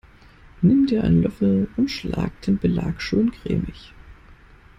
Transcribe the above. Nimm dir einen Löffel und schlag den Belag schön cremig.